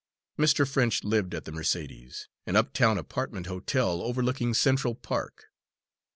Mr. French lived at the Mercedes, an uptown apartment hotel overlooking Central Park.